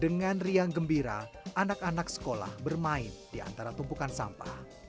dengan riang gembira anak anak sekolah bermain di antara tumpukan sampah